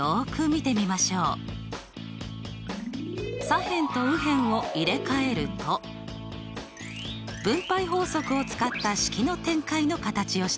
左辺と右辺を入れ替えると分配法則を使った式の展開の形をしていますね。